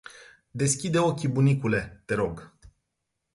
Deschide ochii bunicule te rog.